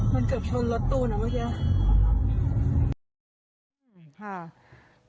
มันเกือบชนรถตู้น่ะมัทย์